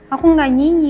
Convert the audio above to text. aku nggak nyinyi